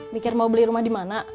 mikir mau beli rumah dimana